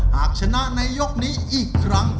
หากชนะในยกนี้อีกครั้ง